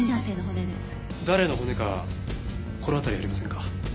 誰の骨か心当たりありませんか？